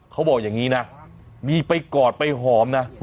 เขาบอกอย่างนี้นะมีไปกอดไปหอมนะ